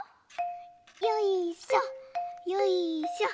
よいしょ。